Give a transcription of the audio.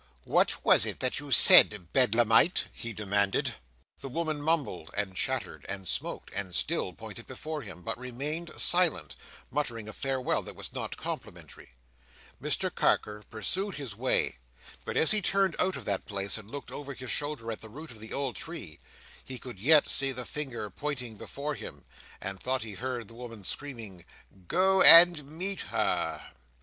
"What was that you said, Bedlamite?" he demanded. The woman mumbled, and chattered, and smoked, and still pointed before him; but remained silent Muttering a farewell that was not complimentary, Mr Carker pursued his way; but as he turned out of that place, and looked over his shoulder at the root of the old tree, he could yet see the finger pointing before him, and thought he heard the woman screaming, "Go and meet her!"